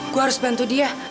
gue harus bantu dia